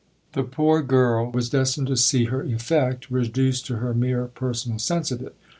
The poor girl was destined to see her effect reduced to her mere personal sense of it.